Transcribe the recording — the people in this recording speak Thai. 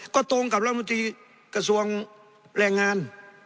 ก็ตรงกับรัฐมนตรีกระทรวงแรงงาน